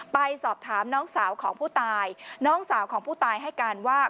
ไปสอบถามน้องสาวของผู้ตายน้องสาวของผู้ตายให้การว่า